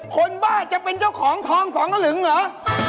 บ้าจะเป็นเจ้าของทองสองกระหึงเหรอ